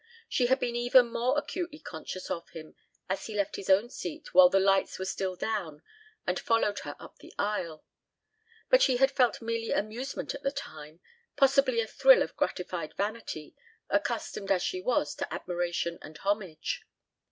She had been even more acutely conscious of him as he left his own seat while the lights were still down and followed her up the aisle. But she had felt merely amusement at the time, possibly a thrill of gratified vanity, accustomed as she was to admiration and homage.